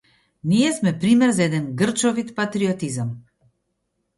Ние сме пример за еден грчовит патриотизам.